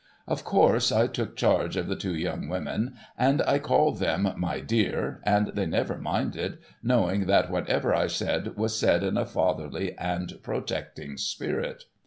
Of course I took charge of the two young women, and I called them ' my dear,' and they never minded, knowing that whatever I said was said in a fatherly and protecting spirit.